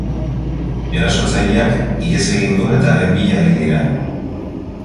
Erasotzaileak ihes egin du eta haren bila ari dira.